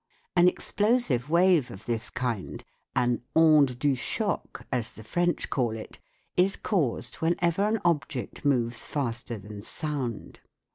An explosive wave of this kind an onde du choc, as the French call it is caused whenever an object moves faster than sound.